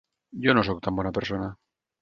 Jo no sóc tan bona persona.